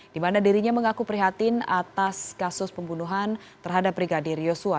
di mana dirinya mengaku prihatin atas kasus pembunuhan terhadap brigadir yosua